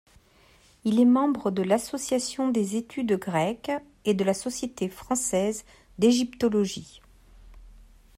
Il est membre de l’Association des études grecques et de la Société française d'égyptologie.